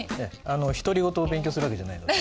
独り言を勉強する訳じゃないので。